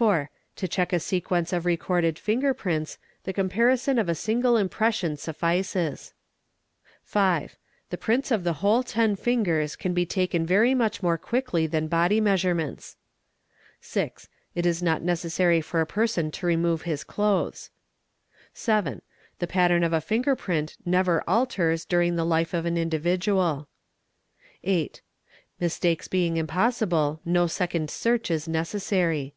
' 978 THE EXPERT 4. To check a sequence of recorded finger prints, the comparison of a single impression suffices. 5. The prints of the whole 10 fingers can be taken very much more quickly than body measurements. 6. It is not necessary for a person to remove his clothes. 7. The pattern of a finger print never alters during the life of an individual. | 8. Mistakes being impossible, no second search is necessary.